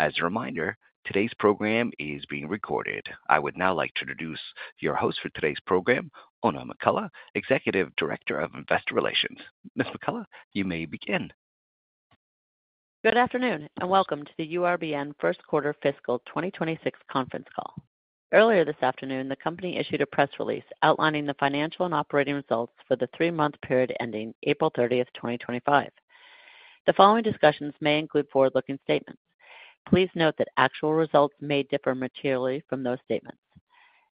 As a reminder, today's program is being recorded. I would now like to introduce your host for today's program, Oona McCullough, Executive Director of Investor Relations. Ms. McCullough, you may begin. Good afternoon, and welcome to the URBN First Quarter Fiscal 2026 Conference Call. Earlier this afternoon, the company issued a press release outlining the financial and operating results for the three-month period ending April 30, 2025. The following discussions may include forward-looking statements. Please note that actual results may differ materially from those statements.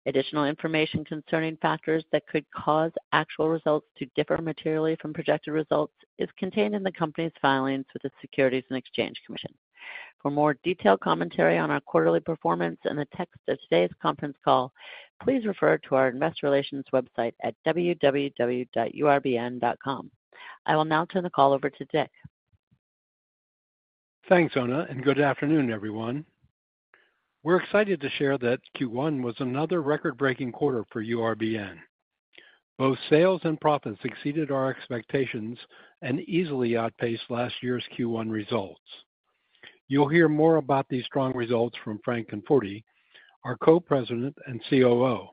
Additional information concerning factors that could cause actual results to differ materially from projected results is contained in the company's filings with the Securities and Exchange Commission. For more detailed commentary on our quarterly performance and the text of today's conference call, please refer to our Investor Relations website at www.urbn.com. I will now turn the call over to Dick. Thanks, Oona, and good afternoon, everyone. We're excited to share that Q1 was another record-breaking quarter for URBN. Both sales and profits exceeded our expectations and easily outpaced last year's Q1 results. You'll hear more about these strong results from Frank Conforti, our Co-President and COO.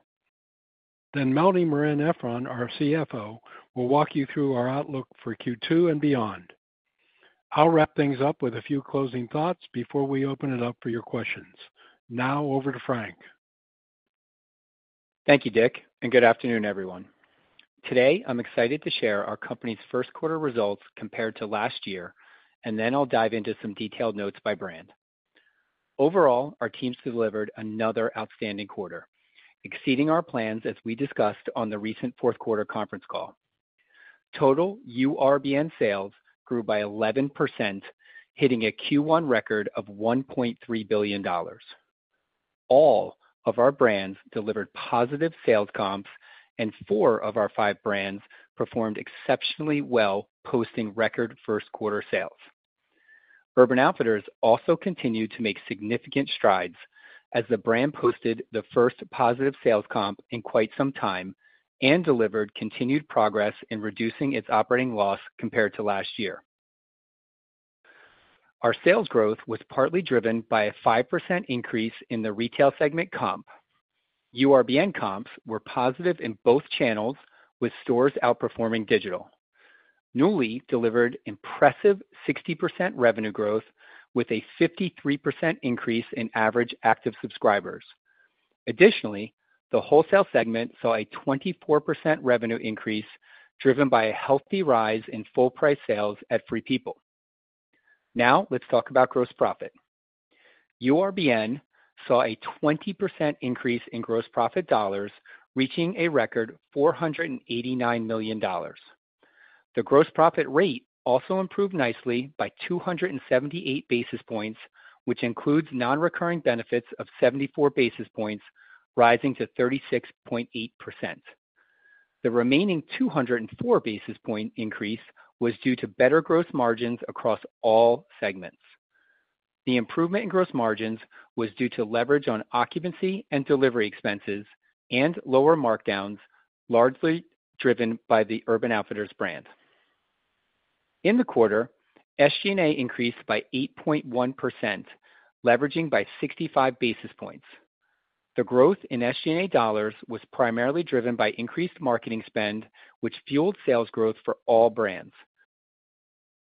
Melanie Marein-Efron, our CFO, will walk you through our outlook for Q2 and beyond. I'll wrap things up with a few closing thoughts before we open it up for your questions. Now, over to Frank. Thank you, Dick, and good afternoon, everyone. Today, I'm excited to share our company's first-quarter results compared to last year, and then I'll dive into some detailed notes by brand. Overall, our teams delivered another outstanding quarter, exceeding our plans as we discussed on the recent fourth quarter conference call. Total URBN sales grew by 11%, hitting a Q1 record of $1.3 billion. All of our brands delivered positive sales comps, and four of our five brands performed exceptionally well, posting record first-quarter sales. Urban Outfitters also continued to make significant strides as the brand posted the first positive sales comp in quite some time and delivered continued progress in reducing its operating loss compared to last year. Our sales growth was partly driven by a 5% increase in the retail segment comp. URBN comps were positive in both channels, with stores outperforming digital. Nuuly delivered impressive 60% revenue growth, with a 53% increase in average active subscribers. Additionally, the wholesale segment saw a 24% revenue increase, driven by a healthy rise in full-price sales at Free People. Now, let's talk about gross profit. URBN saw a 20% increase in gross profit dollars, reaching a record $489 million. The gross profit rate also improved nicely by 278 basis points, which includes non-recurring benefits of 74 basis points, rising to 36.8%. The remaining 204 basis point increase was due to better gross margins across all segments. The improvement in gross margins was due to leverage on occupancy and delivery expenses and lower markdowns, largely driven by the Urban Outfitters brand. In the quarter, SG&A increased by 8.1%, leveraging by 65 basis points. The growth in SG&A dollars was primarily driven by increased marketing spend, which fueled sales growth for all brands.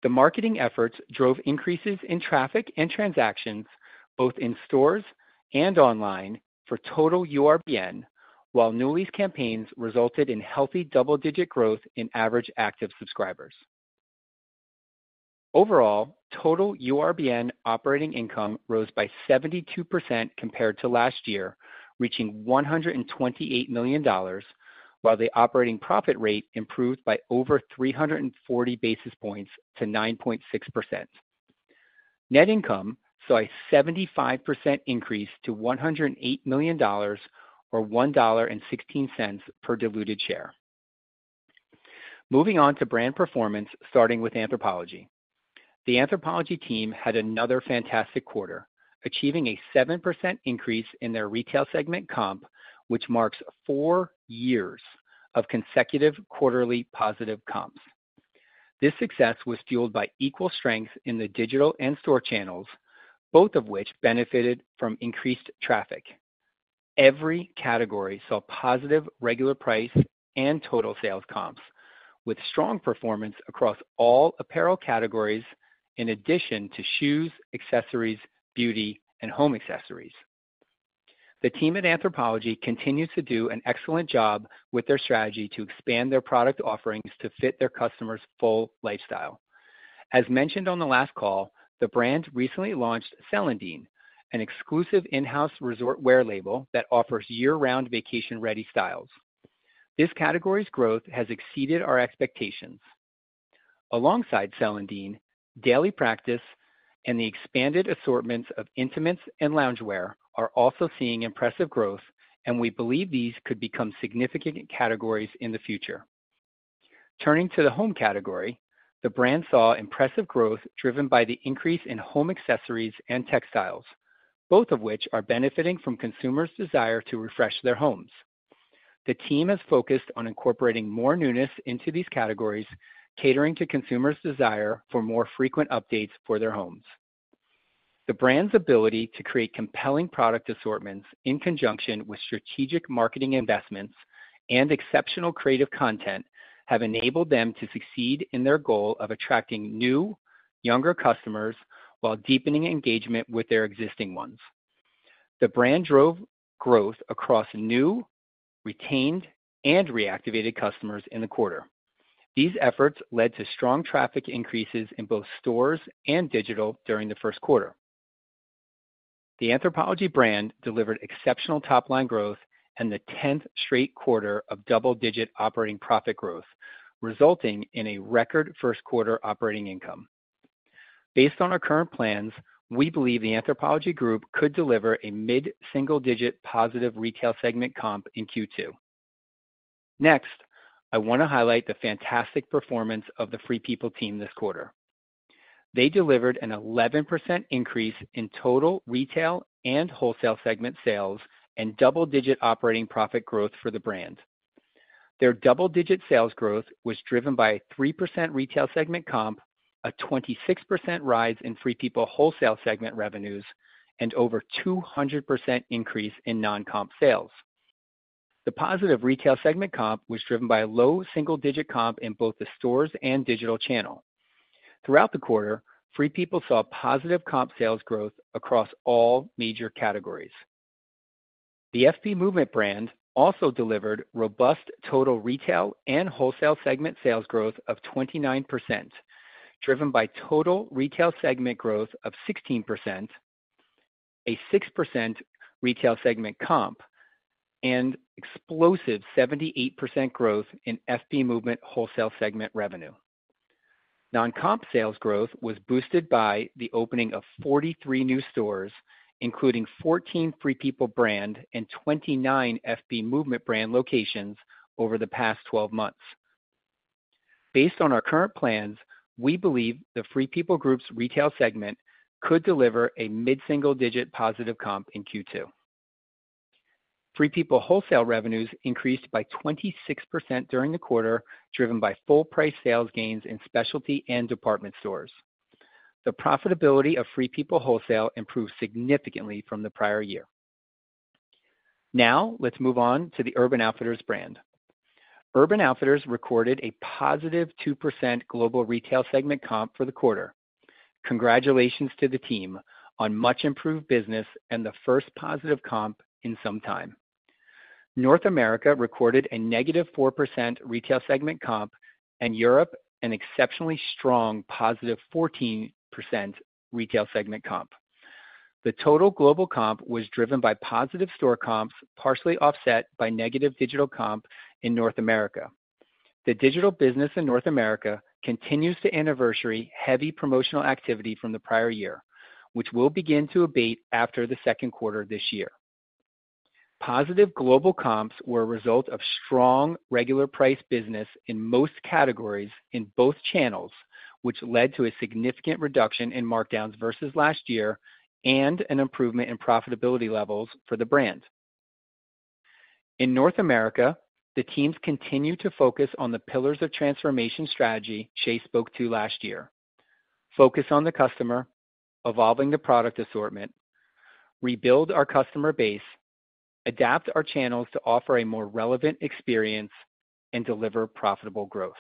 The marketing efforts drove increases in traffic and transactions, both in stores and online, for total URBN, while Nuuly's campaigns resulted in healthy double-digit growth in average active subscribers. Overall, total URBN operating income rose by 72% compared to last year, reaching $128 million, while the operating profit rate improved by over 340 basis points to 9.6%. Net income saw a 75% increase to $108 million, or $1.16 per diluted share. Moving on to brand performance, starting with Anthropologie. The Anthropologie team had another fantastic quarter, achieving a 7% increase in their retail segment comp, which marks four years of consecutive quarterly positive comps. This success was fueled by equal strength in the digital and store channels, both of which benefited from increased traffic. Every category saw positive regular price and total sales comps, with strong performance across all apparel categories, in addition to shoes, accessories, beauty, and home accessories. The team at Anthropologie continues to do an excellent job with their strategy to expand their product offerings to fit their customers' full lifestyle. As mentioned on the last call, the brand recently launched Celandine, an exclusive in-house resort wear label that offers year-round vacation-ready styles. This category's growth has exceeded our expectations. Alongside Celandine, Daily Practice and the expanded assortments of intimates and loungewear are also seeing impressive growth, and we believe these could become significant categories in the future. Turning to the home category, the brand saw impressive growth driven by the increase in home accessories and textiles, both of which are benefiting from consumers' desire to refresh their homes. The team has focused on incorporating more newness into these categories, catering to consumers' desire for more frequent updates for their homes. The brand's ability to create compelling product assortments in conjunction with strategic marketing investments and exceptional creative content have enabled them to succeed in their goal of attracting new, younger customers while deepening engagement with their existing ones. The brand drove growth across new, retained, and reactivated customers in the quarter. These efforts led to strong traffic increases in both stores and digital during the first quarter. The Anthropologie brand delivered exceptional top-line growth and the 10th straight quarter of double-digit operating profit growth, resulting in a record first-quarter operating income. Based on our current plans, we believe the Anthropologie Group could deliver a mid-single-digit positive retail segment comp in Q2. Next, I want to highlight the fantastic performance of the Free People team this quarter. They delivered an 11% increase in total retail and wholesale segment sales and double-digit operating profit growth for the brand. Their double-digit sales growth was driven by a 3% retail segment comp, a 26% rise in Free People wholesale segment revenues, and over 200% increase in non-comp sales. The positive retail segment comp was driven by a low single-digit comp in both the stores and digital channel. Throughout the quarter, Free People saw positive comp sales growth across all major categories. The FP Movement brand also delivered robust total retail and wholesale segment sales growth of 29%, driven by total retail segment growth of 16%, a 6% retail segment comp, and explosive 78% growth in FP Movement wholesale segment revenue. Non-comp sales growth was boosted by the opening of 43 new stores, including 14 Free People brand and 29 FP Movement brand locations over the past 12 months. Based on our current plans, we believe the Free People group's retail segment could deliver a mid-single-digit positive comp in Q2. Free People wholesale revenues increased by 26% during the quarter, driven by full-price sales gains in specialty and department stores. The profitability of Free People wholesale improved significantly from the prior year. Now, let's move on to the Urban Outfitters brand. Urban Outfitters recorded a positive 2% global retail segment comp for the quarter. Congratulations to the team on much-improved business and the first positive comp in some time. North America recorded a negative 4% retail segment comp, and Europe an exceptionally strong positive 14% retail segment comp. The total global comp was driven by positive store comps, partially offset by negative digital comp in North America. The digital business in North America continues to anniversary heavy promotional activity from the prior year, which will begin to abate after the second quarter this year. Positive global comps were a result of strong regular price business in most categories in both channels, which led to a significant reduction in markdowns versus last year and an improvement in profitability levels for the brand. In North America, the teams continue to focus on the pillars of transformation strategy [Chief] spoke to last year: focus on the customer, evolving the product assortment, rebuild our customer base, adapt our channels to offer a more relevant experience, and deliver profitable growth.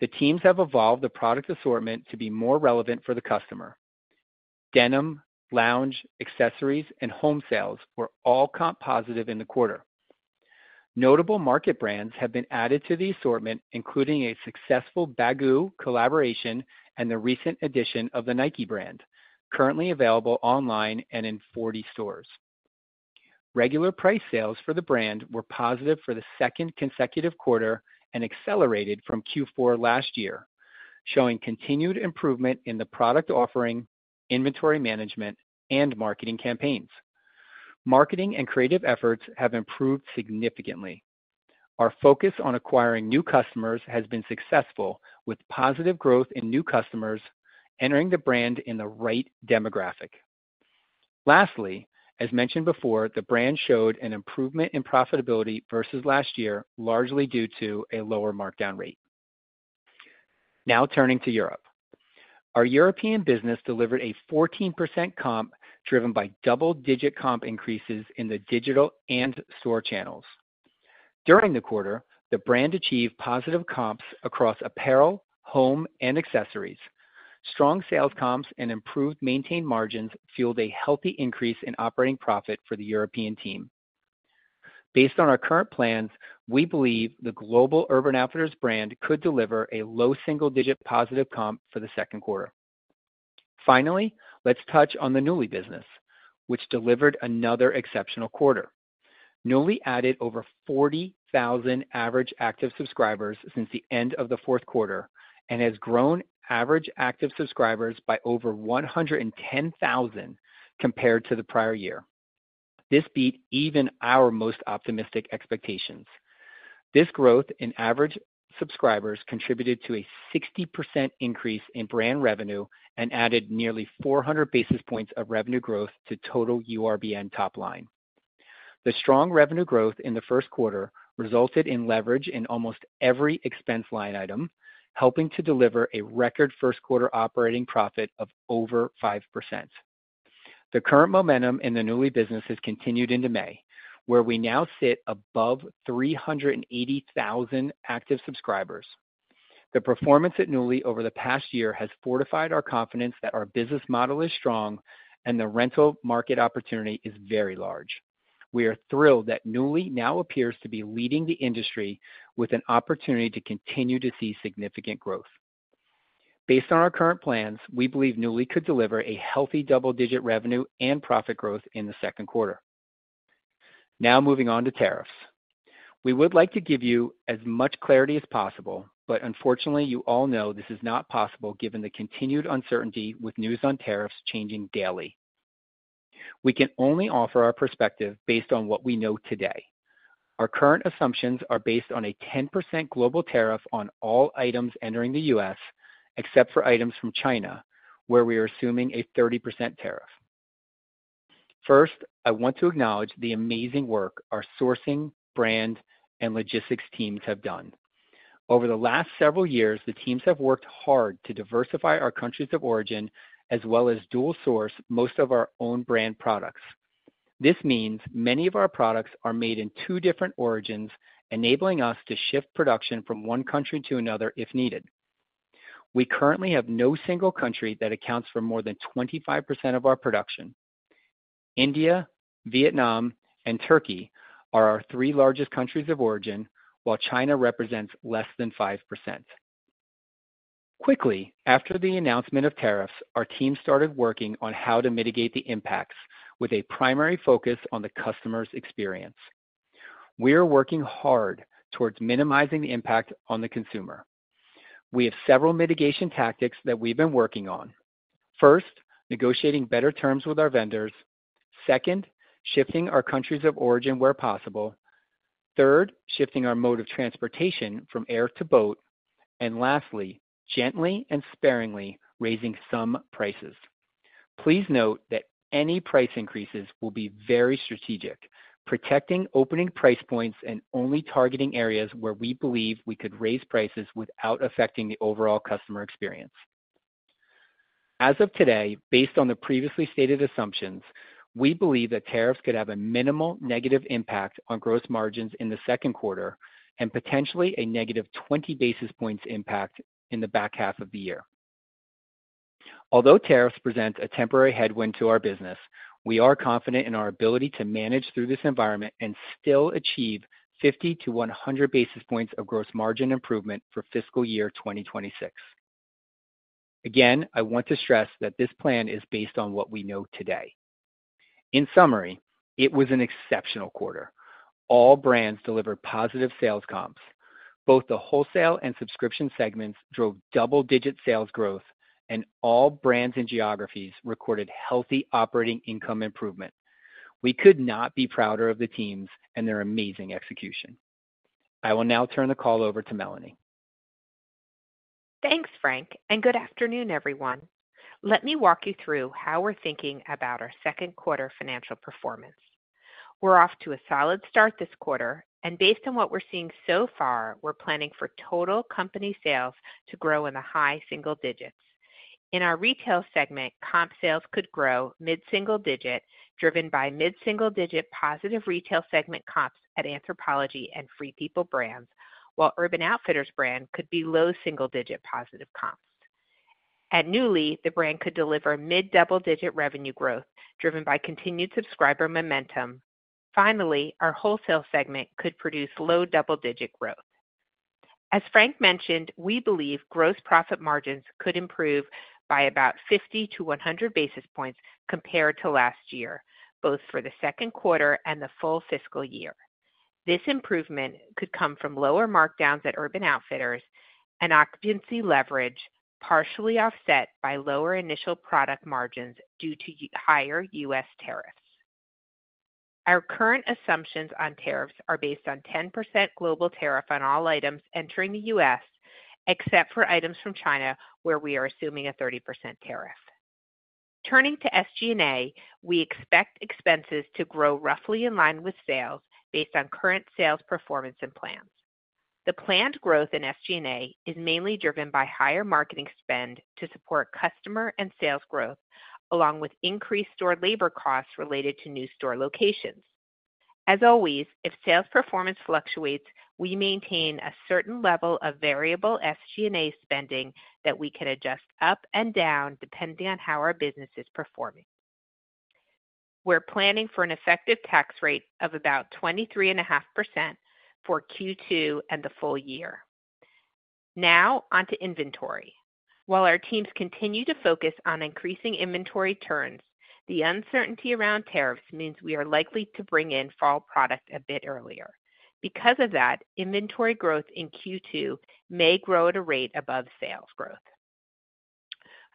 The teams have evolved the product assortment to be more relevant for the customer. Denim, lounge, accessories, and home sales were all comp positive in the quarter. Notable market brands have been added to the assortment, including a successful Bagu collaboration and the recent addition of the Nike brand, currently available online and in 40 stores. Regular price sales for the brand were positive for the second consecutive quarter and accelerated from Q4 last year, showing continued improvement in the product offering, inventory management, and marketing campaigns. Marketing and creative efforts have improved significantly. Our focus on acquiring new customers has been successful, with positive growth in new customers entering the brand in the right demographic. Lastly, as mentioned before, the brand showed an improvement in profitability versus last year, largely due to a lower markdown rate. Now, turning to Europe. Our European business delivered a 14% comp, driven by double-digit comp increases in the digital and store channels. During the quarter, the brand achieved positive comps across apparel, home, and accessories. Strong sales comps and improved maintained margins fueled a healthy increase in operating profit for the European team. Based on our current plans, we believe the global Urban Outfitters brand could deliver a low single-digit positive comp for the second quarter. Finally, let's touch on the Nuuly business, which delivered another exceptional quarter. Nuuly added over 40,000 average active subscribers since the end of the fourth quarter and has grown average active subscribers by over 110,000 compared to the prior year. This beat even our most optimistic expectations. This growth in average subscribers contributed to a 60% increase in brand revenue and added nearly 400 basis points of revenue growth to total URBN top line. The strong revenue growth in the first quarter resulted in leverage in almost every expense line item, helping to deliver a record first-quarter operating profit of over 5%. The current momentum in the Nuuly business has continued into May, where we now sit above 380,000 active subscribers. The performance at Nuuly over the past year has fortified our confidence that our business model is strong and the rental market opportunity is very large. We are thrilled that Nuuly now appears to be leading the industry with an opportunity to continue to see significant growth. Based on our current plans, we believe Nuuly could deliver a healthy double-digit revenue and profit growth in the second quarter. Now, moving on to tariffs. We would like to give you as much clarity as possible, but unfortunately, you all know this is not possible given the continued uncertainty with news on tariffs changing daily. We can only offer our perspective based on what we know today. Our current assumptions are based on a 10% global tariff on all items entering the US, except for items from China, where we are assuming a 30% tariff. First, I want to acknowledge the amazing work our sourcing, brand, and logistics teams have done. Over the last several years, the teams have worked hard to diversify our countries of origin as well as dual-source most of our own brand products. This means many of our products are made in two different origins, enabling us to shift production from one country to another if needed. We currently have no single country that accounts for more than 25% of our production. India, Vietnam, and Turkey are our three largest countries of origin, while China represents less than 5%. Quickly, after the announcement of tariffs, our team started working on how to mitigate the impacts, with a primary focus on the customer's experience. We are working hard towards minimizing the impact on the consumer. We have several mitigation tactics that we've been working on. First, negotiating better terms with our vendors. Second, shifting our countries of origin where possible. Third, shifting our mode of transportation from air to boat. And lastly, gently and sparingly raising some prices. Please note that any price increases will be very strategic, protecting opening price points and only targeting areas where we believe we could raise prices without affecting the overall customer experience. As of today, based on the previously stated assumptions, we believe that tariffs could have a minimal negative impact on gross margins in the second quarter and potentially a negative 20 basis points impact in the back half of the year. Although tariffs present a temporary headwind to our business, we are confident in our ability to manage through this environment and still achieve 50-100 basis points of gross margin improvement for fiscal year 2026. Again, I want to stress that this plan is based on what we know today. In summary, it was an exceptional quarter. All brands delivered positive sales comps. Both the wholesale and subscription segments drove double-digit sales growth, and all brands and geographies recorded healthy operating income improvement. We could not be prouder of the teams and their amazing execution. I will now turn the call over to Melanie. Thanks, Frank, and good afternoon, everyone. Let me walk you through how we're thinking about our second quarter financial performance. We're off to a solid start this quarter, and based on what we're seeing so far, we're planning for total company sales to grow in the high single digits. In our retail segment, comp sales could grow mid-single digit, driven by mid-single digit positive retail segment comps at Anthropologie and Free People brands, while Urban Outfitters brand could be low single digit positive comps. At Nuuly, the brand could deliver mid-double digit revenue growth, driven by continued subscriber momentum. Finally, our wholesale segment could produce low double-digit growth. As Frank mentioned, we believe gross profit margins could improve by about 50-100 basis points compared to last year, both for the second quarter and the full fiscal year. This improvement could come from lower markdowns at Urban Outfitters and occupancy leverage, partially offset by lower initial product margins due to higher US tariffs. Our current assumptions on tariffs are based on 10% global tariff on all items entering the US, except for items from China, where we are assuming a 30% tariff. Turning to SG&A, we expect expenses to grow roughly in line with sales based on current sales performance and plans. The planned growth in SG&A is mainly driven by higher marketing spend to support customer and sales growth, along with increased store labor costs related to new store locations. As always, if sales performance fluctuates, we maintain a certain level of variable SG&A spending that we can adjust up and down depending on how our business is performing. We're planning for an effective tax rate of about 23.5% for Q2 and the full year. Now, on to inventory. While our teams continue to focus on increasing inventory turns, the uncertainty around tariffs means we are likely to bring in fall product a bit earlier. Because of that, inventory growth in Q2 may grow at a rate above sales growth.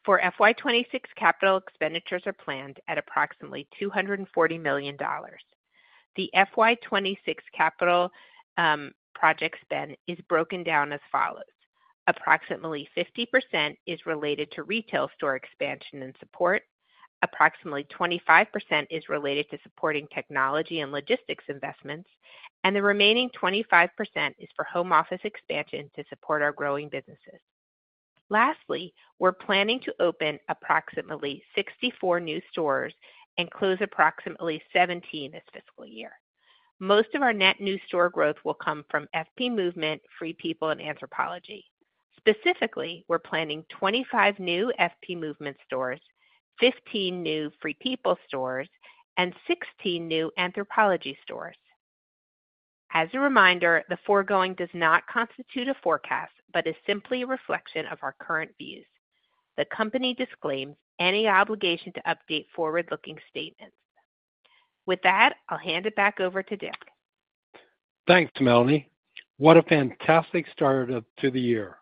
For FY2026, capital expenditures are planned at approximately $240 million. The FY2026 capital project spend is broken down as follows. Approximately 50% is related to retail store expansion and support, approximately 25% is related to supporting technology and logistics investments, and the remaining 25% is for home office expansion to support our growing businesses. Lastly, we're planning to open approximately 64 new stores and close approximately 17 this fiscal year. Most of our net new store growth will come from FP Movement, Free People, and Anthropologie. Specifically, we're planning 25 new FP Movement stores, 15 new Free People stores, and 16 new Anthropologie stores. As a reminder, the foregoing does not constitute a forecast but is simply a reflection of our current views. The company disclaims any obligation to update forward-looking statements. With that, I'll hand it back over to Dick. Thanks, Melanie. What a fantastic start to the year.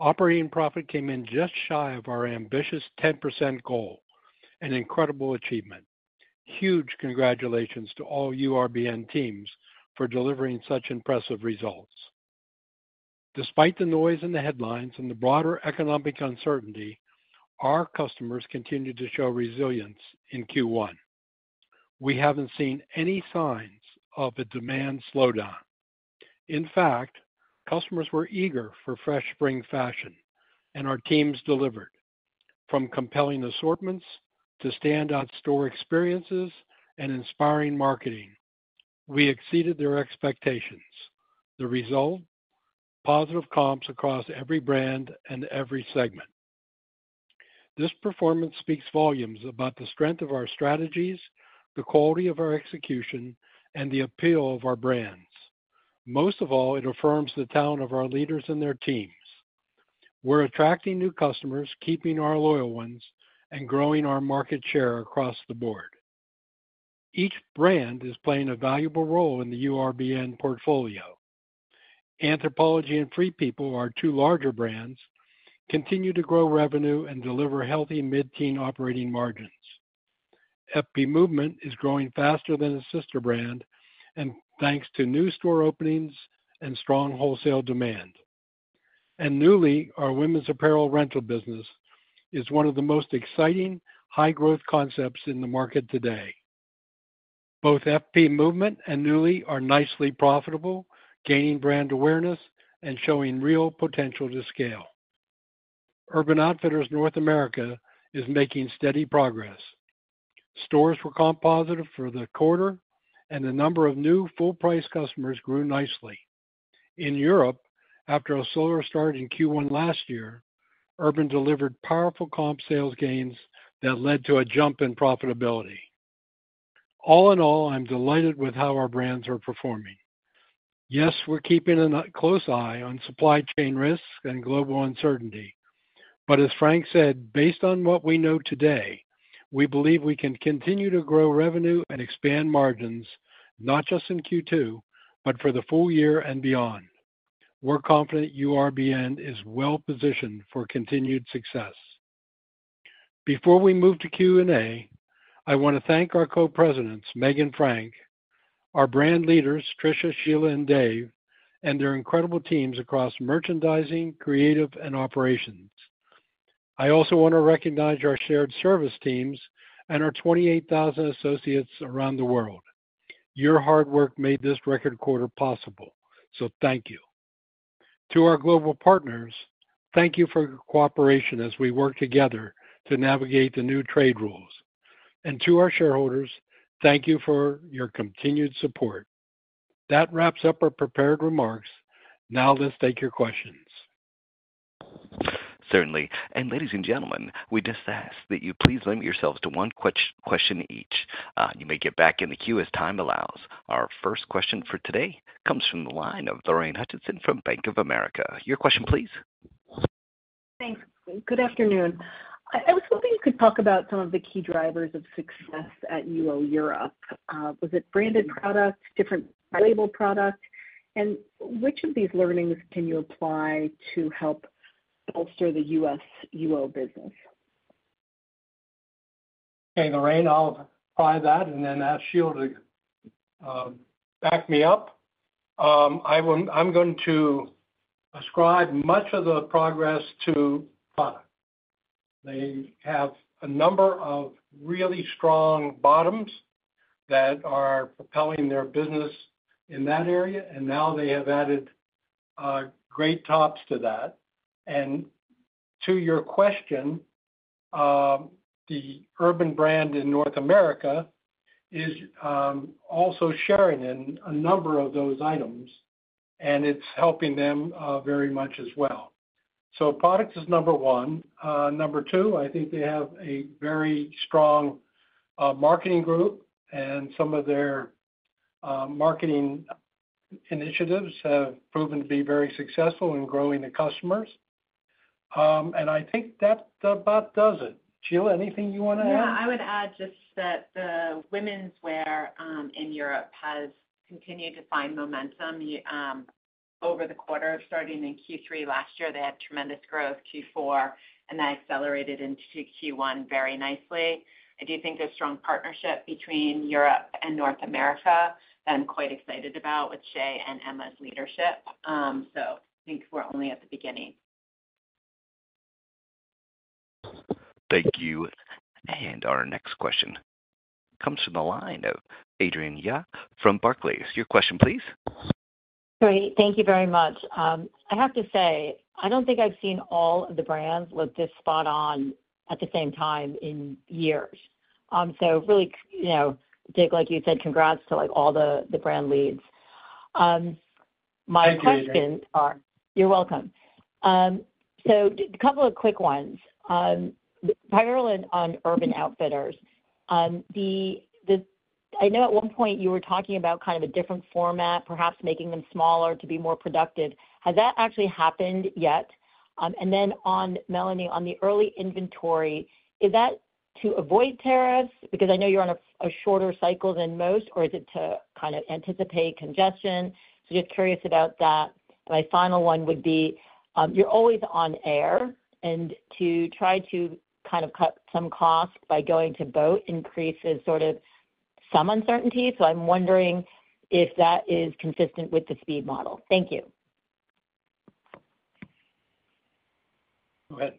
Operating profit came in just shy of our ambitious 10% goal, an incredible achievement. Huge congratulations to all URBN teams for delivering such impressive results. Despite the noise in the headlines and the broader economic uncertainty, our customers continue to show resilience in Q1. We have not seen any signs of a demand slowdown. In fact, customers were eager for fresh spring fashion, and our teams delivered. From compelling assortments to standout store experiences and inspiring marketing, we exceeded their expectations. The result: positive comps across every brand and every segment. This performance speaks volumes about the strength of our strategies, the quality of our execution, and the appeal of our brands. Most of all, it affirms the talent of our leaders and their teams. We are attracting new customers, keeping our loyal ones, and growing our market share across the board. Each brand is playing a valuable role in the URBN portfolio. Anthropologie and Free People, our two larger brands, continue to grow revenue and deliver healthy mid-teen operating margins. FP Movement is growing faster than its sister brand, thanks to new store openings and strong wholesale demand. Nuuly, our women's apparel rental business, is one of the most exciting high-growth concepts in the market today. Both FP Movement and Nuuly are nicely profitable, gaining brand awareness and showing real potential to scale. Urban Outfitters North America is making steady progress. Stores were comp positive for the quarter, and the number of new full-price customers grew nicely. In Europe, after a slower start in Q1 last year, Urban delivered powerful comp sales gains that led to a jump in profitability. All in all, I'm delighted with how our brands are performing. Yes, we're keeping a close eye on supply chain risk and global uncertainty. As Frank said, based on what we know today, we believe we can continue to grow revenue and expand margins, not just in Q2, but for the full year and beyond. We're confident URBN is well-positioned for continued success. Before we move to Q&A, I want to thank our Co-Presidents, Meg and Frank, our brand leaders, Trisha, Sheila, and Dave, and their incredible teams across merchandising, creative, and operations. I also want to recognize our shared service teams and our 28,000 associates around the world. Your hard work made this record quarter possible, so thank you. To our global partners, thank you for your cooperation as we work together to navigate the new trade rules. To our shareholders, thank you for your continued support. That wraps up our prepared remarks. Now, let's take your questions. Certainly. Ladies and gentlemen, we just ask that you please limit yourselves to one question each. You may get back in the queue as time allows. Our first question for today comes from the line of Lorraine Hutchinson from Bank of America. Your question, please. Thanks. Good afternoon. I was hoping you could talk about some of the key drivers of success at UO Europe. Was it branded products, different label products? And which of these learnings can you apply to help bolster the US Europe business? Okay, Lorraine, I'll apply that, and then ask Sheila to back me up. I'm going to ascribe much of the progress to product. They have a number of really strong bottoms that are propelling their business in that area, and now they have added great tops to that. To your question, the Urban brand in North America is also sharing in a number of those items, and it is helping them very much as well. Product is number one. Number two, I think they have a very strong marketing group, and some of their marketing initiatives have proven to be very successful in growing the customers. I think that about does it. Sheila, anything you want to add? Yeah, I would add just that the women's wear in Europe has continued to find momentum over the quarter. Starting in Q3 last year, they had tremendous growth Q4, and that accelerated into Q1 very nicely. I do think there is strong partnership between Europe and North America that I am quite excited about with Shea and Emma's leadership. I think we are only at the beginning. Thank you. Our next question comes from the line of Adrienne Yih from Barclays. Your question, please. Great. Thank you very much. I have to say, I do not think I have seen all of the brands look this spot on at the same time in years. Really, Dick, like you said, congrats to all the brand leads. My question—you're welcome. A couple of quick ones, primarily on Urban Outfitters. I know at one point you were talking about kind of a different format, perhaps making them smaller to be more productive. Has that actually happened yet? Melanie, on the early inventory, is that to avoid tariffs? Because I know you are on a shorter cycle than most, or is it to kind of anticipate congestion? Just curious about that. My final one would be you're always on air, and to try to kind of cut some costs by going to boat increases sort of some uncertainty. I am wondering if that is consistent with the speed model. Thank you. Go ahead.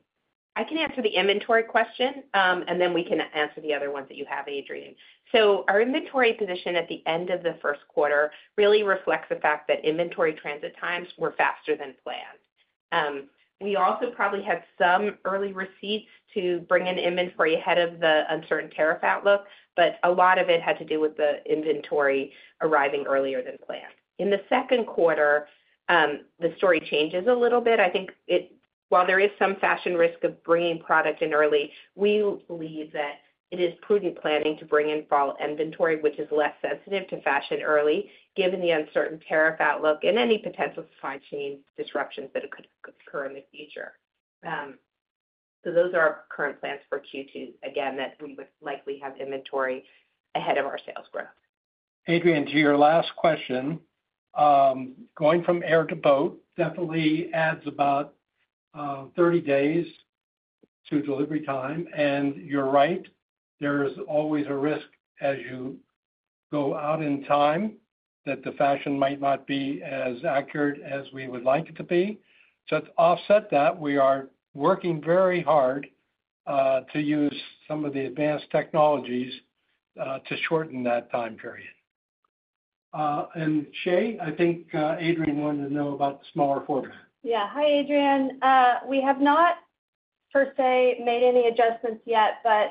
I can answer the inventory question, and then we can answer the other ones that you have, Adrienne. Our inventory position at the end of the first quarter really reflects the fact that inventory transit times were faster than planned. We also probably had some early receipts to bring in inventory ahead of the uncertain tariff outlook, but a lot of it had to do with the inventory arriving earlier than planned. In the second quarter, the story changes a little bit. I think while there is some fashion risk of bringing product in early, we believe that it is prudent planning to bring in fall inventory, which is less sensitive to fashion early, given the uncertain tariff outlook and any potential supply chain disruptions that could occur in the future. Those are our current plans for Q2, again, that we would likely have inventory ahead of our sales growth. Adrienne, to your last question, going from air to boat definitely adds about 30 days to delivery time. You are right, there is always a risk as you go out in time that the fashion might not be as accurate as we would like it to be. To offset that, we are working very hard to use some of the advanced technologies to shorten that time period. Shea, I think Adrienne wanted to know about the smaller format. Yeah. Hi, Adrienne. We have not, per se, made any adjustments yet, but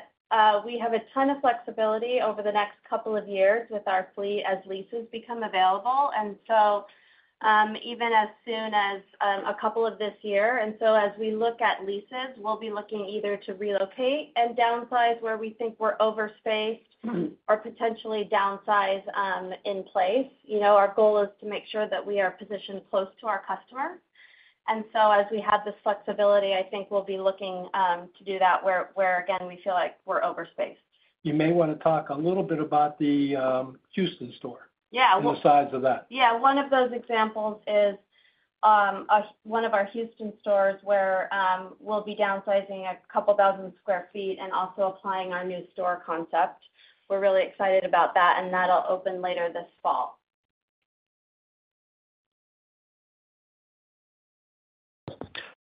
we have a ton of flexibility over the next couple of years with our fleet as leases become available. Even as soon as a couple of this year. As we look at leases, we'll be looking either to relocate and downsize where we think we're overspaced or potentially downsize in place. Our goal is to make sure that we are positioned close to our customers. As we have this flexibility, I think we'll be looking to do that where, again, we feel like we're overspaced. You may want to talk a little bit about the Houston store. Yeah. The size of that. Yeah. One of those examples is one of our Houston stores where we'll be downsizing a couple thousand sq ft and also applying our new store concept. We're really excited about that, and that'll open later this fall.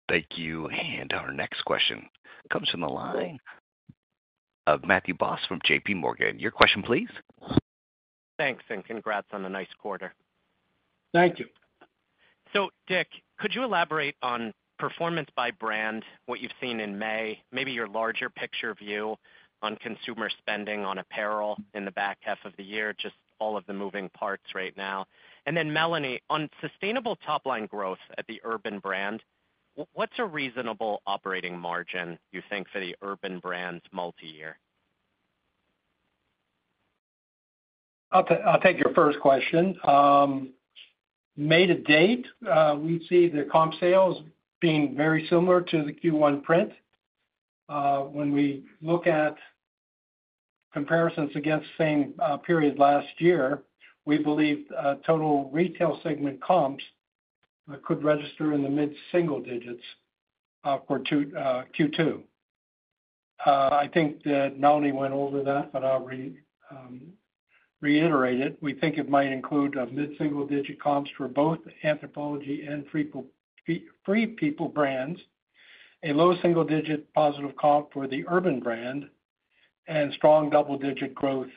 Thank you. Our next question comes from the line of Matt Boss from JPMorgan. Your question, please. Thanks. Congrats on a nice quarter. Thank you. Dick, could you elaborate on performance by brand, what you've seen in May, maybe your larger picture view on consumer spending on apparel in the back half of the year, just all of the moving parts right now? Melanie, on sustainable top-line growth at the Urban brand, what's a reasonable operating margin, you think, for the Urban brand's multi-year? I'll take your first question. May to date, we see the comp sales being very similar to the Q1 print. When we look at comparisons against the same period last year, we believe total retail segment comps could register in the mid-single digits for Q2. I think that Melanie went over that, but I'll reiterate it. We think it might include mid-single digit comps for both Anthropologie and Free People brands, a low single-digit positive comp for the Urban brand, and strong double-digit growth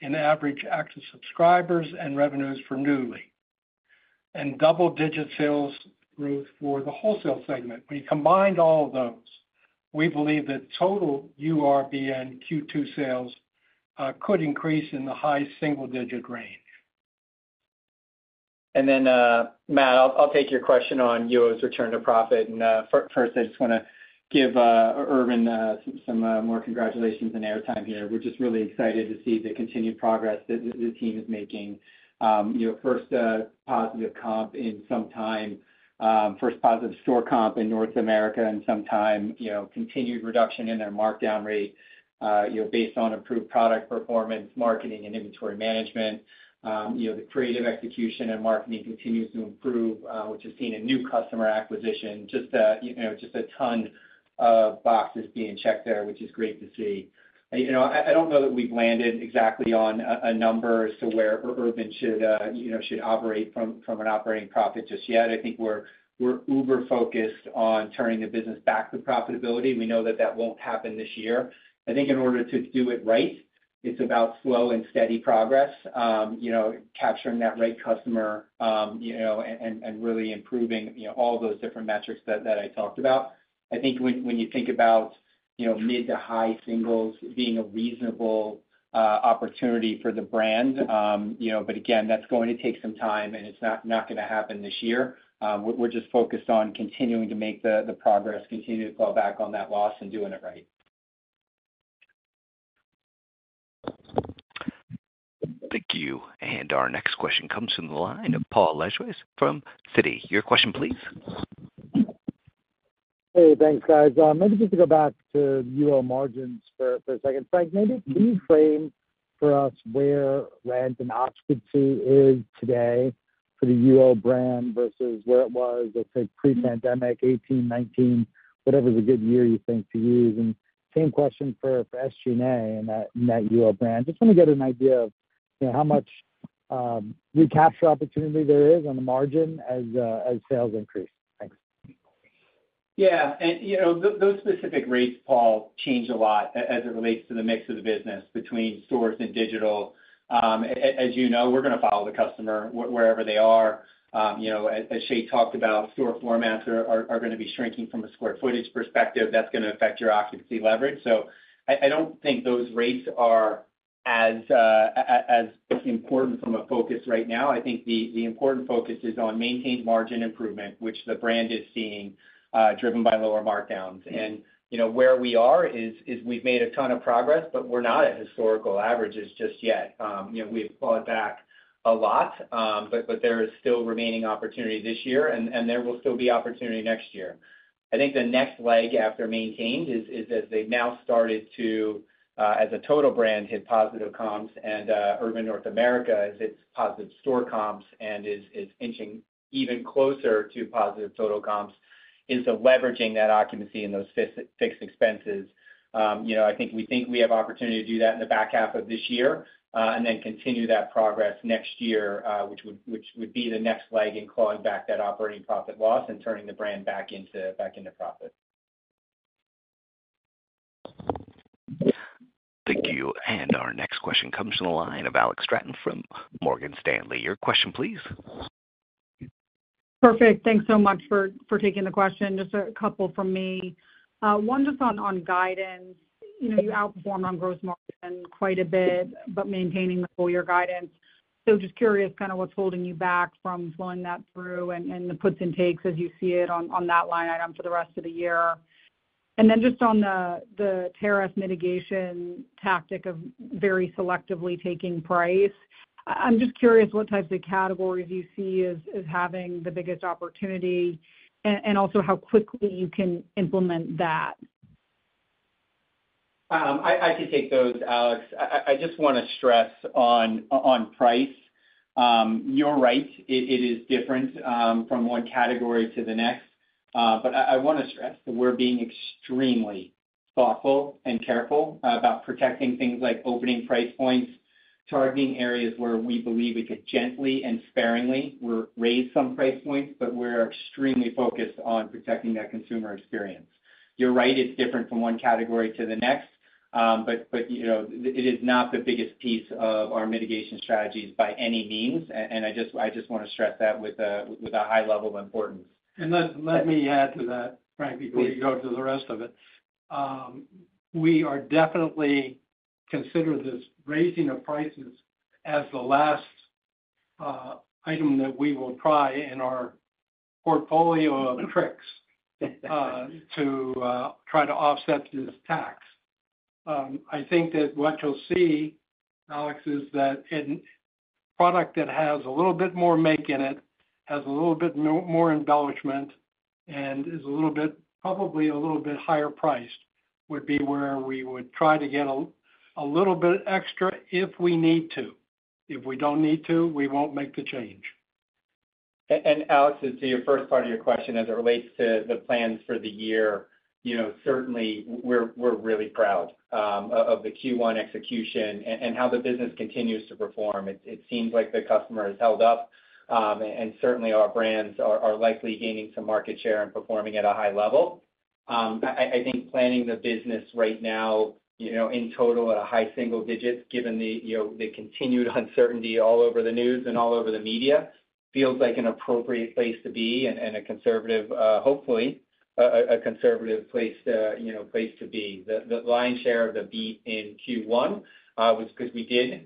in average active subscribers and revenues for Nuuly, and double-digit sales growth for the wholesale segment. When you combine all of those, we believe that total URBN Q2 sales could increase in the high single-digit range. Matt, I'll take your question on UO's return to profit. First, I just want to give Urban some more congratulations and airtime here. We're just really excited to see the continued progress that the team is making. First positive comp in some time, first positive store comp in North America in some time, continued reduction in their markdown rate based on improved product performance, marketing, and inventory management. The creative execution and marketing continues to improve, which has seen a new customer acquisition. Just a ton of boxes being checked there, which is great to see. I do not know that we have landed exactly on a number as to where Urban should operate from an operating profit just yet. I think we are uber-focused on turning the business back to profitability. We know that that will not happen this year. I think in order to do it right, it is about slow and steady progress, capturing that right customer and really improving all those different metrics that I talked about. I think when you think about mid to high singles being a reasonable opportunity for the brand, but again, that is going to take some time, and it is not going to happen this year. We're just focused on continuing to make the progress, continue to fall back on that loss, and doing it right. Thank you. Our next question comes from the line of Paul Lejuez from CITI. Your question, please. Hey, thanks, guys. Maybe just to go back to UO margins for a second. Frank, maybe can you frame for us where rent and occupancy is today for the UO brand versus where it was, let's say, pre-pandemic, 2018, 2019, whatever's a good year you think to use? Same question for SG&A and that UO brand. Just want to get an idea of how much recapture opportunity there is on the margin as sales increase. Thanks. Yeah. Those specific rates, Paul, change a lot as it relates to the mix of the business between stores and digital. As you know, we're going to follow the customer wherever they are. As Shea talked about, store formats are going to be shrinking from a square footage perspective. That's going to affect your occupancy leverage. I don't think those rates are as important from a focus right now. I think the important focus is on maintained margin improvement, which the brand is seeing driven by lower markdowns. Where we are is we've made a ton of progress, but we're not at historical averages just yet. We've fallen back a lot, but there is still remaining opportunity this year, and there will still be opportunity next year. I think the next leg after maintained is as they've now started to, as a total brand, hit positive comps, and Urban North America is its positive store comps and is inching even closer to positive total comps into leveraging that occupancy and those fixed expenses. I think we have opportunity to do that in the back half of this year and then continue that progress next year, which would be the next leg in clawing back that operating profit loss and turning the brand back into profit. Thank you. Our next question comes from the line of Alex Straton from Morgan Stanley. Your question, please. Perfect. Thanks so much for taking the question. Just a couple from me. One just on guidance. You outperformed on gross margin quite a bit, but maintaining the full-year guidance. Just curious kind of what's holding you back from flowing that through and the puts and takes as you see it on that line item for the rest of the year. Just on the tariff mitigation tactic of very selectively taking price, I'm just curious what types of categories you see as having the biggest opportunity and also how quickly you can implement that. I can take those, Alex. I just want to stress on price. You're right. It is different from one category to the next. I want to stress that we're being extremely thoughtful and careful about protecting things like opening price points, targeting areas where we believe we could gently and sparingly raise some price points, but we're extremely focused on protecting that consumer experience. You're right. It's different from one category to the next, but it is not the biggest piece of our mitigation strategies by any means. I just want to stress that with a high level of importance. Let me add to that, Frank, before you go to the rest of it. We are definitely considering this raising of prices as the last item that we will try in our portfolio of tricks to try to offset this tax. I think that what you'll see, Alex, is that product that has a little bit more make in it, has a little bit more embellishment, and is a little bit, probably a little bit higher priced would be where we would try to get a little bit extra if we need to. If we do not need to, we will not make the change. Alex, to your first part of your question, as it relates to the plans for the year, certainly we are really proud of the Q1 execution and how the business continues to perform. It seems like the customer has held up, and certainly our brands are likely gaining some market share and performing at a high level. I think planning the business right now in total at a high single digit, given the continued uncertainty all over the news and all over the media, feels like an appropriate place to be and a conservative, hopefully, a conservative place to be. The lion's share of the beat in Q1 was because we did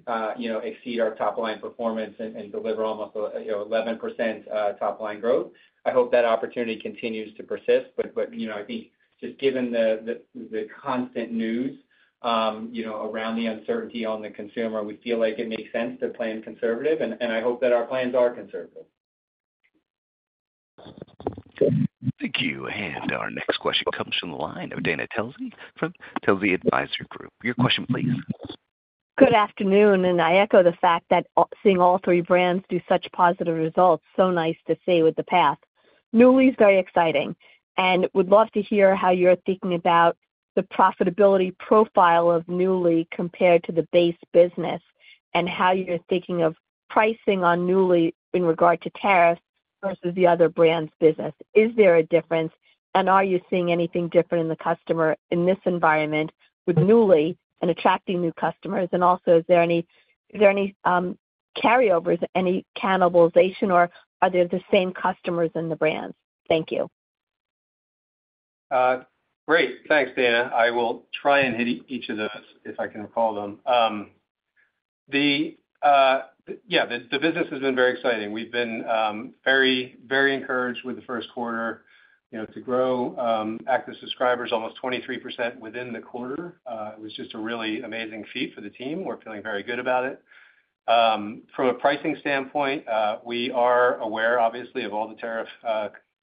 exceed our top-line performance and deliver almost 11% top-line growth. I hope that opportunity continues to persist. I think just given the constant news around the uncertainty on the consumer, we feel like it makes sense to plan conservative, and I hope that our plans are conservative. Thank you. Our next question comes from the line of Dana Telsey from Telsey Advisory Group. Your question, please. Good afternoon. I echo the fact that seeing all three brands do such positive results, so nice to see with the path. Nuuly is very exciting, and would love to hear how you're thinking about the profitability profile of Nuuly compared to the base business and how you're thinking of pricing on Nuuly in regard to tariffs versus the other brand's business. Is there a difference? Are you seeing anything different in the customer in this environment with Nuuly and attracting new customers? Also, is there any carryovers, any cannibalization, or are they the same customers and the brands? Thank you. Great. Thanks, Dana. I will try and hit each of those if I can recall them. Yeah, the business has been very exciting. We've been very, very encouraged with the first quarter to grow active subscribers almost 23% within the quarter. It was just a really amazing feat for the team. We're feeling very good about it. From a pricing standpoint, we are aware, obviously, of all the tariff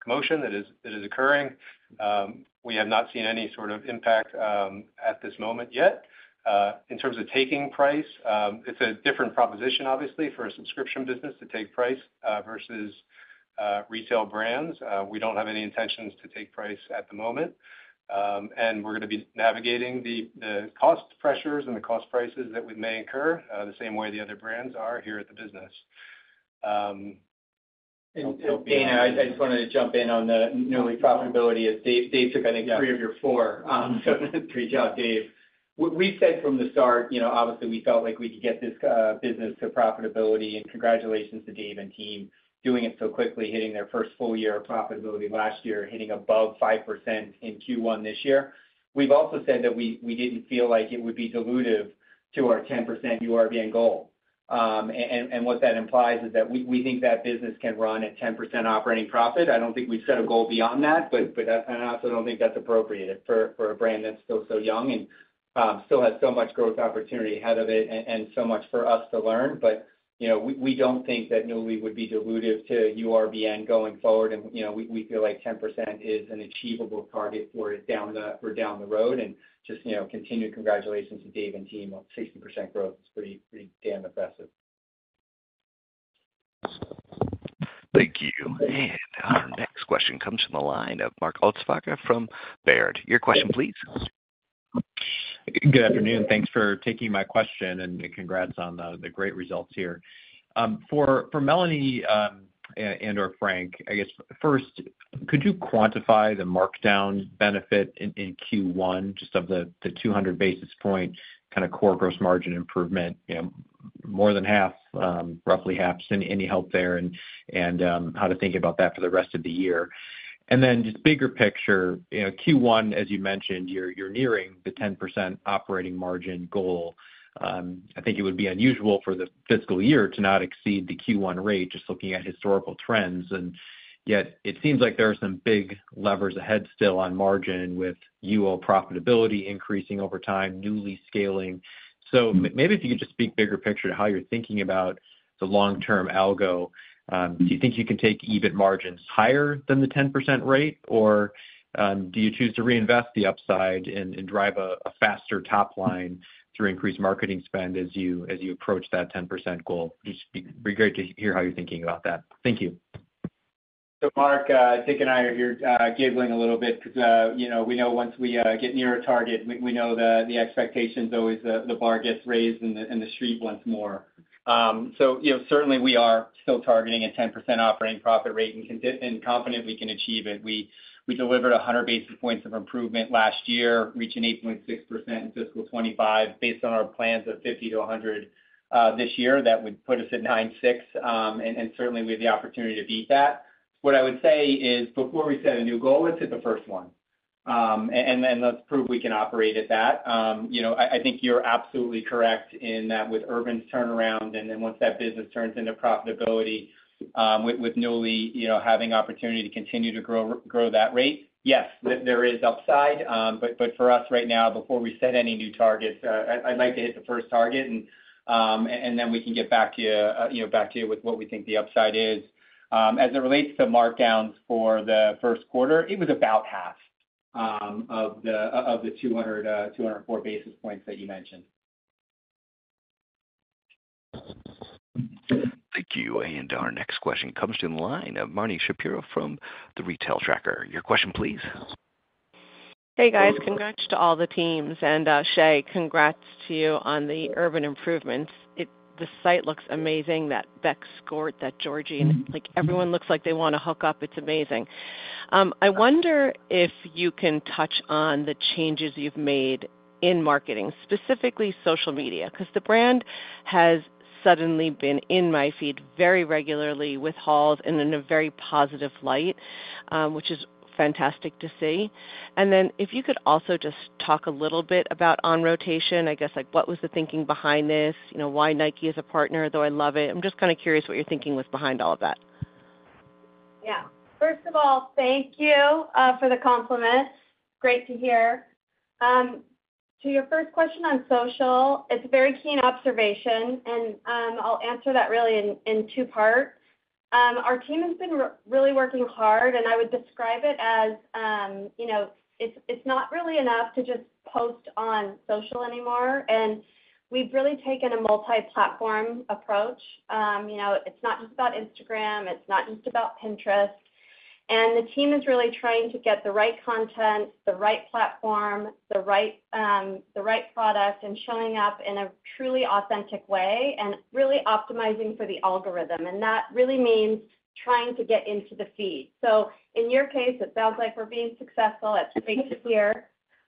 commotion that is occurring. We have not seen any sort of impact at this moment yet. In terms of taking price, it's a different proposition, obviously, for a subscription business to take price versus retail brands. We don't have any intentions to take price at the moment. We are going to be navigating the cost pressures and the cost prices that we may incur the same way the other brands are here at the business. Dana, I just wanted to jump in on the Nuuly profitability. Dave took, I think, three of your four. Great job, Dave. We said from the start, obviously, we felt like we could get this business to profitability. Congratulations to Dave and team doing it so quickly, hitting their first full year of profitability last year, hitting above 5% in Q1 this year. We have also said that we did not feel like it would be dilutive to our 10% URBN goal. What that implies is that we think that business can run at 10% operating profit. I do not think we have set a goal beyond that, but I also do not think that is appropriate for a brand that is still so young and still has so much growth opportunity ahead of it and so much for us to learn. We do not think that Nuuly would be dilutive to URBN going forward. We feel like 10% is an achievable target for it down the road. Continued congratulations to Dave and team on 60% growth. It is pretty damn impressive. Thank you. Our next question comes from the line of Mark Altschwager from Baird. Your question, please. Good afternoon. Thanks for taking my question and congrats on the great results here. For Melanie and/or Frank, I guess, first, could you quantify the markdown benefit in Q1, just of the 200 basis point kind of core gross margin improvement, more than half, roughly half, any help there, and how to think about that for the rest of the year? Then just bigger picture, Q1, as you mentioned, you're nearing the 10% operating margin goal. I think it would be unusual for the fiscal year to not exceed the Q1 rate, just looking at historical trends. Yet, it seems like there are some big levers ahead still on margin with UO profitability increasing over time, Nuuly scaling. Maybe if you could just speak bigger picture to how you're thinking about the long-term algo. Do you think you can take EBIT margins higher than the 10% rate, or do you choose to reinvest the upside and drive a faster top line through increased marketing spend as you approach that 10% goal? It'd be great to hear how you're thinking about that. Thank you. Mark, I think I know you're giggling a little bit because we know once we get near a target, we know the expectations always the bar gets raised and the street blinks more. Certainly, we are still targeting a 10% operating profit rate and confident we can achieve it. We delivered 100 basis points of improvement last year, reaching 8.6% in fiscal 2025 based on our plans of 50-100 this year. That would put us at 9.6%. Certainly, we have the opportunity to beat that. What I would say is before we set a new goal, let's hit the first one. Let's prove we can operate at that. I think you're absolutely correct in that with Urban's turnaround and then once that business turns into profitability with Nuuly having opportunity to continue to grow that rate, yes, there is upside. For us right now, before we set any new targets, I'd like to hit the first target, and then we can get back to you with what we think the upside is. As it relates to markdowns for the first quarter, it was about half of the 200-204 basis points that you mentioned. Thank you. Our next question comes from the line of Marnie Shapiro from Retail Tracker. Your question, please. Hey, guys. Congrats to all the teams. Shea, congrats to you on the Urban improvements. The site looks amazing, that Beck's Court, that Georgian. Everyone looks like they want to hook up. It's amazing. I wonder if you can touch on the changes you've made in marketing, specifically social media, because the brand has suddenly been in my feed very regularly with hauls and in a very positive light, which is fantastic to see. If you could also just talk a little bit about on-rotation, I guess, what was the thinking behind this, why Nike is a partner, though I love it. I'm just kind of curious what your thinking was behind all of that. Yeah. First of all, thank you for the compliment. It's great to hear. To your first question on social, it's a very keen observation, and I'll answer that really in two parts. Our team has been really working hard, and I would describe it as it's not really enough to just post on social anymore. We have really taken a multi-platform approach. It's not just about Instagram. It's not just about Pinterest. The team is really trying to get the right content, the right platform, the right product, and showing up in a truly authentic way and really optimizing for the algorithm. That really means trying to get into the feed. In your case, it sounds like we're being successful. That's great to hear.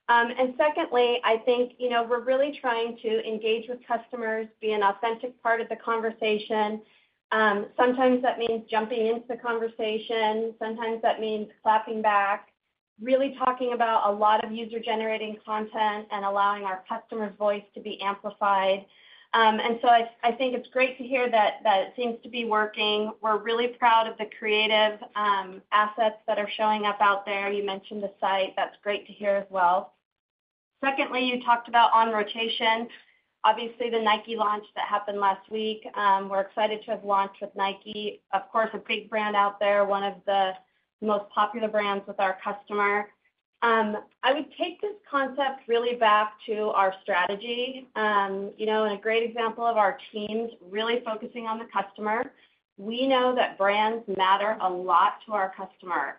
Secondly, I think we're really trying to engage with customers, be an authentic part of the conversation. Sometimes that means jumping into the conversation. Sometimes that means clapping back, really talking about a lot of user-generated content and allowing our customer's voice to be amplified. I think it's great to hear that it seems to be working. We're really proud of the creative assets that are showing up out there. You mentioned the site. That's great to hear as well. Secondly, you talked about on-rotation. Obviously, the Nike launch that happened last week. We're excited to have launched with Nike, of course, a big brand out there, one of the most popular brands with our customer. I would take this concept really back to our strategy. A great example of our team really focusing on the customer. We know that brands matter a lot to our customer.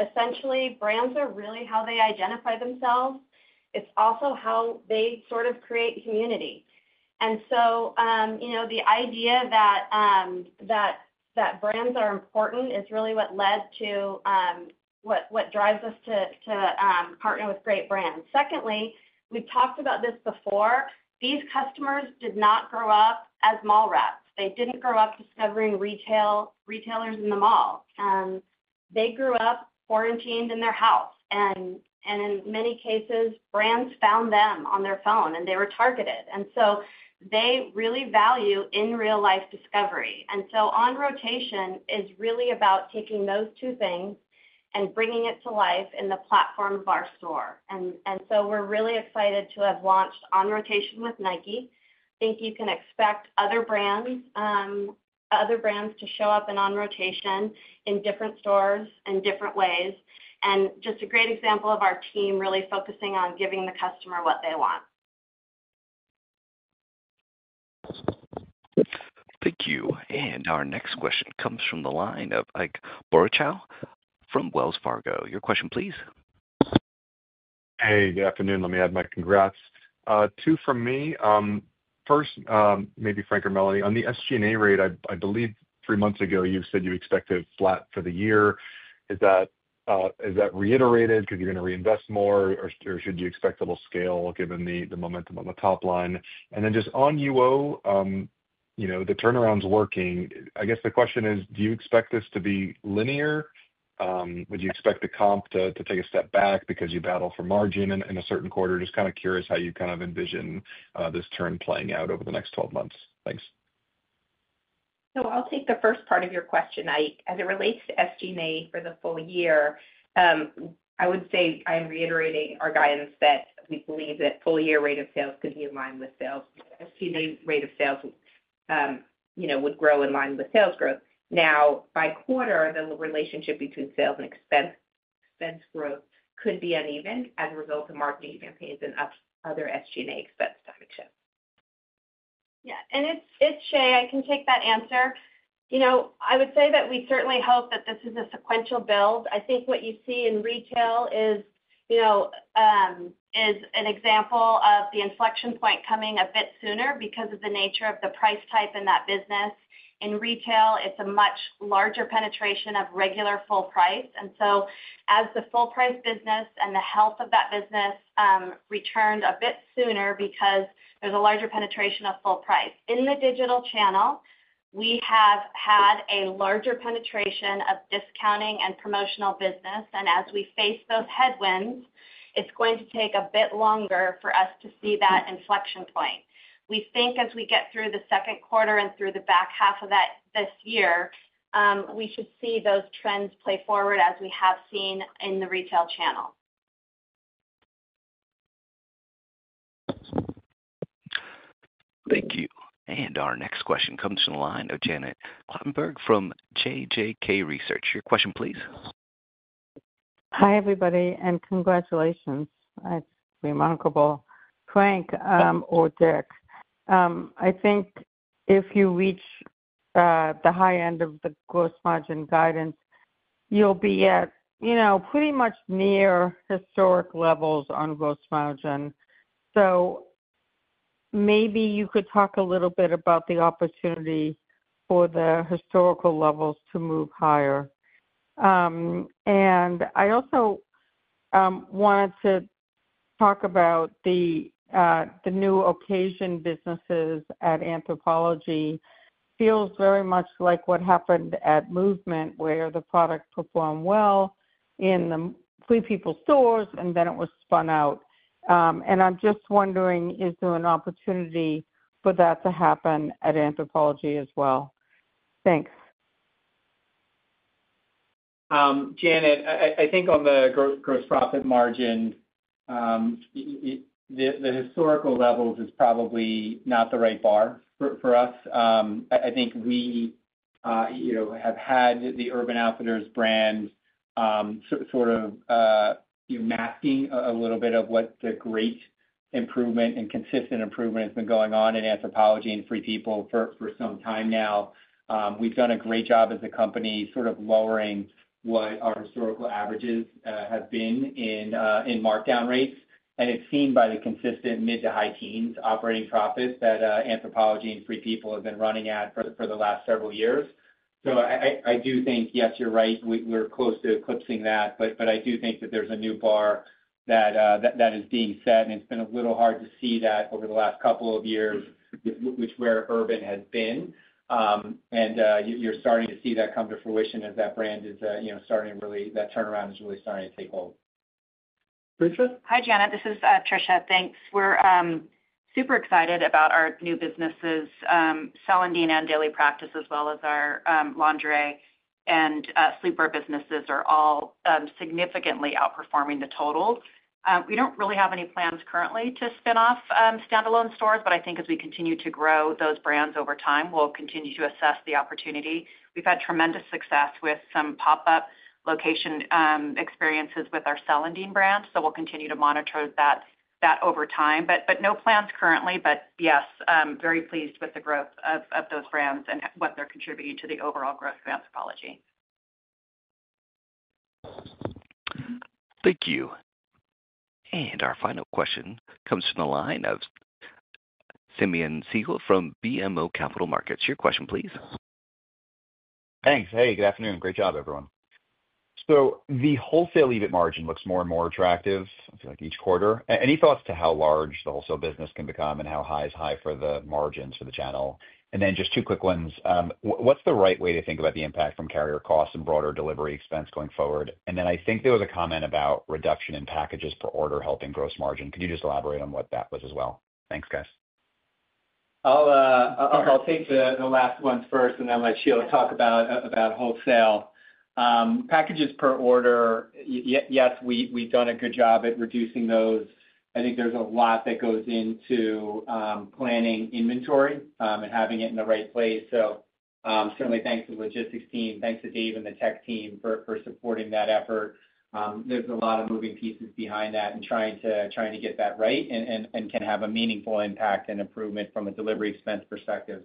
Essentially, brands are really how they identify themselves. It's also how they sort of create community. The idea that brands are important is really what led to what drives us to partner with great brands. Secondly, we've talked about this before. These customers did not grow up as mall reps. They did not grow up discovering retailers in the mall. They grew up quarantined in their house. In many cases, brands found them on their phone, and they were targeted. They really value in-real-life discovery. On-rotation is really about taking those two things and bringing it to life in the platform of our store. We are really excited to have launched on-rotation with Nike. I think you can expect other brands to show up in on-rotation in different stores in different ways. It is just a great example of our team really focusing on giving the customer what they want. Thank you. Our next question comes from the line of Ike Boruchow from Wells Fargo. Your question, please. Hey, good afternoon. Let me add my congrats. Two from me. First, maybe Frank or Melanie. On the SG&A rate, I believe three months ago, you said you expected flat for the year. Is that reiterated because you're going to reinvest more, or should you expect a little scale given the momentum on the top line? Just on UO, the turnaround's working. I guess the question is, do you expect this to be linear? Would you expect the comp to take a step back because you battle for margin in a certain quarter? Just kind of curious how you kind of envision this turn playing out over the next 12 months. Thanks. I'll take the first part of your question, Ike, as it relates to SG&A for the full year. I would say I'm reiterating our guidance that we believe that full-year rate of sales could be in line with sales. SG&A rate of sales would grow in line with sales growth. Now, by quarter, the relationship between sales and expense growth could be uneven as a result of marketing campaigns and other SG&A expense timing shifts. Yeah. It's Shea. I can take that answer. I would say that we certainly hope that this is a sequential build. I think what you see in retail is an example of the inflection point coming a bit sooner because of the nature of the price type in that business. In retail, it's a much larger penetration of regular full price. As the full-price business and the health of that business returned a bit sooner because there's a larger penetration of full price. In the digital channel, we have had a larger penetration of discounting and promotional business. As we face those headwinds, it's going to take a bit longer for us to see that inflection point. We think as we get through the second quarter and through the back half of that this year, we should see those trends play forward as we have seen in the retail channel. Thank you. Our next question comes from the line of Janet Kloppenburg from JJK Research. Your question, please. Hi everybody, and congratulations. It's remarkable, Frank or Dick. I think if you reach the high end of the gross margin guidance, you'll be at pretty much near historic levels on gross margin. Maybe you could talk a little bit about the opportunity for the historical levels to move higher. I also wanted to talk about the new occasion businesses at Anthropologie. Feels very much like what happened at Movement, where the product performed well in the Free People stores, and then it was spun out. I'm just wondering, is there an opportunity for that to happen at Anthropologie as well? Thanks. Janet, I think on the gross profit margin, the historical levels is probably not the right bar for us. I think we have had the Urban Outfitters brand sort of masking a little bit of what the great improvement and consistent improvement has been going on in Anthropologie and Free People for some time now. We've done a great job as a company sort of lowering what our historical averages have been in markdown rates. It's seen by the consistent mid to high teens operating profits that Anthropologie and Free People have been running at for the last several years. I do think, yes, you're right. We're close to eclipsing that. I do think that there's a new bar that is being set. It has been a little hard to see that over the last couple of years, which is where Urban has been. You are starting to see that come to fruition as that brand is starting to really, that turnaround is really starting to take hold. Richard? Hi, Janet. This is Tricia. Thanks. We are super excited about our new businesses, Celandine and Daily Practice, as well as our lingerie and sleepwear businesses, which are all significantly outperforming the total. We do not really have any plans currently to spin off standalone stores, but I think as we continue to grow those brands over time, we will continue to assess the opportunity. We have had tremendous success with some pop-up location experiences with our Celandine brand, so we will continue to monitor that over time. No plans currently, but yes, very pleased with the growth of those brands and what they're contributing to the overall growth of Anthropologie. Thank you. Our final question comes from the line of Simeon Siegel from BMO Capital Markets. Your question, please. Thanks. Hey, good afternoon. Great job, everyone. The wholesale EBIT margin looks more and more attractive each quarter. Any thoughts to how large the wholesale business can become and how high is high for the margins for the channel? Then just two quick ones. What's the right way to think about the impact from carrier costs and broader delivery expense going forward? I think there was a comment about reduction in packages per order helping gross margin. Could you just elaborate on what that was as well? Thanks, guys. I'll take the last ones first, and then let Sheila talk about wholesale. Packages per order, yes, we've done a good job at reducing those. I think there's a lot that goes into planning inventory and having it in the right place. Certainly, thanks to the logistics team. Thanks to Dave and the tech team for supporting that effort. There's a lot of moving pieces behind that and trying to get that right and can have a meaningful impact and improvement from a delivery expense perspective.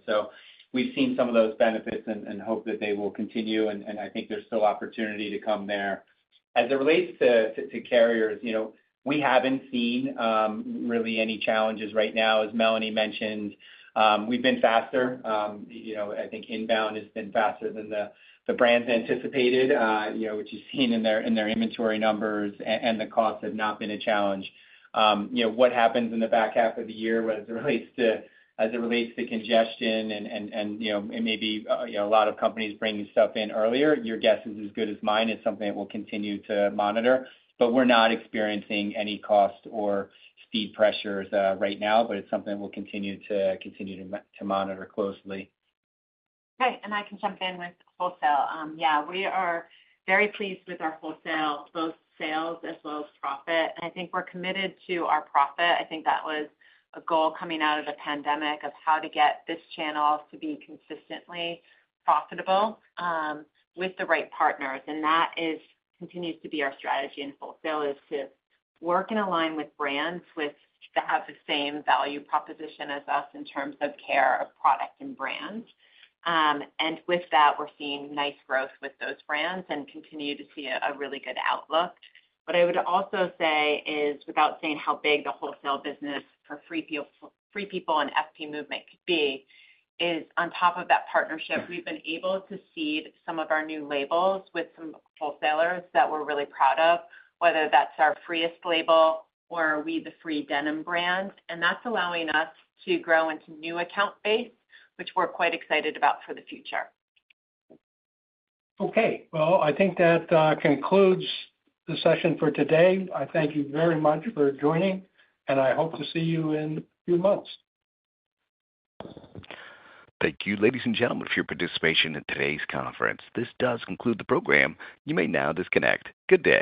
We've seen some of those benefits and hope that they will continue, and I think there's still opportunity to come there. As it relates to carriers, we haven't seen really any challenges right now. As Melanie mentioned, we've been faster. I think inbound has been faster than the brands anticipated, which you've seen in their inventory numbers, and the costs have not been a challenge. What happens in the back half of the year as it relates to congestion and maybe a lot of companies bringing stuff in earlier, your guess is as good as mine. It is something that we will continue to monitor. We are not experiencing any cost or speed pressures right now, but it is something that we will continue to monitor closely. Okay. I can jump in with wholesale. Yeah. We are very pleased with our wholesale, both sales as well as profit. I think we are committed to our profit. I think that was a goal coming out of the pandemic of how to get this channel to be consistently profitable with the right partners. That continues to be our strategy in wholesale, to work in alignment with brands that have the same value proposition as us in terms of care of product and brand. With that, we're seeing nice growth with those brands and continue to see a really good outlook. What I would also say is, without saying how big the wholesale business for Free People and FP Movement could be, is on top of that partnership, we've been able to seed some of our new labels with some wholesalers that we're really proud of, whether that's our Freest label or We The Free Denim brand. That's allowing us to grow into new account base, which we're quite excited about for the future. I think that concludes the session for today. I thank you very much for joining, and I hope to see you in a few months. Thank you, ladies and gentlemen, for your participation in today's conference. This does conclude the program. You may now disconnect. Good day.